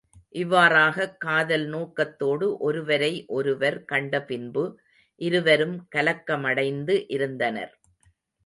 இவ்வாறாகக் காதல் நோக்கத்தோடு ஒருவரை ஒருவர் கண்ட பின்பு இருவரும் கலக்கமடைந்து இருந்தனர்.